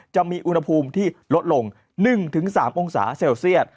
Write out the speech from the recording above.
จะมีอุณหภูมิที่ลดลง๑๓องศาเซลเซียต